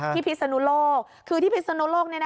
พิศนุโลกคือที่พิศนุโลก